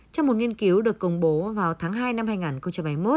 trong một nghiên cứu được công bố vào tháng hai năm hai nghìn hai mươi một